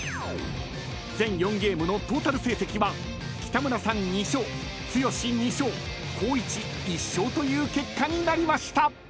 ［全４ゲームのトータル成績は北村さん２勝剛２勝光一１勝という結果になりました］